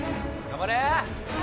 頑張れ！